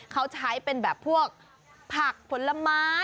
เขาใช้เป็นแบบพวกผักผลไม้